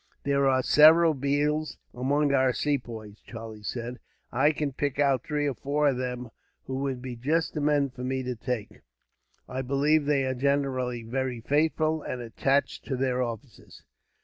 "There are several Bheels among our Sepoys," Charlie said. "I can pick out three or four of them, who would be just the men for me to take. I believe they are generally very faithful, and attached to their officers."